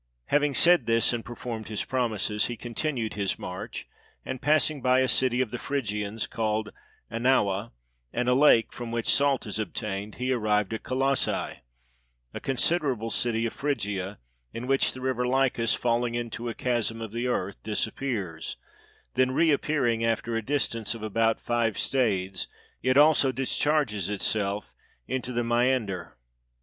Having said this, and performed his promises, he con tinued his march ; and passing by a city of the Phrygians called Anaua, and a lake from which salt is obtained, he arrived at Colossae, a considerable city of Phrygia, in which the river Lycus, falling into a chasm of the earth, disappears; then reappearing after a distance of about five stades, it also discharges itself into the Maeander.